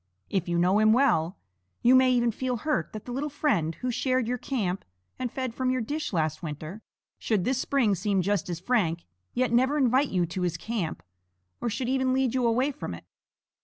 If you know him well, you may even feel hurt that the little friend, who shared your camp and fed from your dish last winter, should this spring seem just as frank, yet never invite you to his camp, or should even lead you away from it.